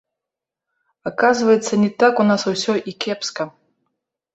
Аказваецца, не так у нас усё і кепска!